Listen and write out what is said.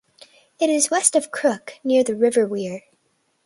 It is west of Crook, near the River Wear.